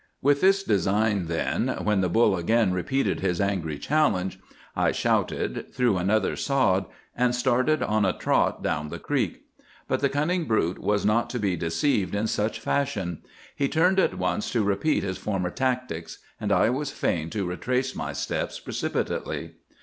With this design then, when the bull again repeated his angry challenge, I shouted, threw another sod, and started on a trot down the creek. But the cunning brute was not to be deceived in such fashion. He turned at once to repeat his former tactics, and I was fain to retrace my steps precipitately.